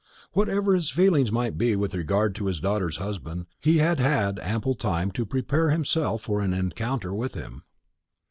Whatever his feelings might be with regard to his daughter's husband, he had had ample time to prepare himself for an encounter with him.